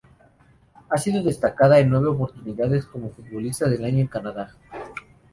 Ha sido destacada en nueve oportunidades como la Futbolista del año en Canadá.